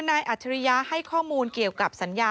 อัจฉริยะให้ข้อมูลเกี่ยวกับสัญญา